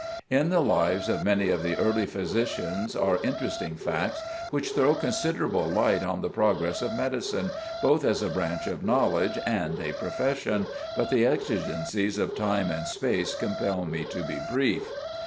In the lives of many of the early physicians are interesting facts which throw considerable light on the progress of medicine, both as a branch of knowledge and a profession; but the exigencies of time and space compel me to be brief.